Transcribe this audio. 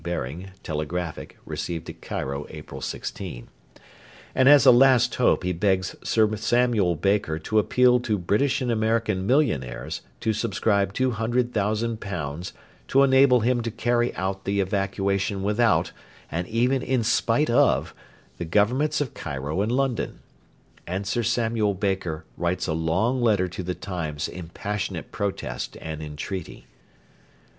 Baring (telegraphic), received at Cairo April 16.] and as a last hope he begs Sir Samuel Baker to appeal to 'British and American millionaires' to subscribe two hundred thousand pounds to enable him to carry out the evacuation without, and even in spite of, the Governments of Cairo and London; and Sir Samuel Baker writes a long letter to the Times in passionate protest and entreaty.